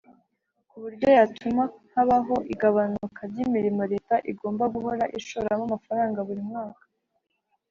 ku buryo yatuma habaho igabanuka ry'imirimo leta igomba guhora ishoramo amafaranga buri mwaka.